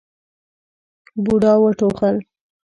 بوډا وټوخل.